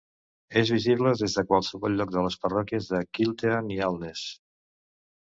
És visible des de qualsevol lloc de les parròquies de Kiltearn i Alness.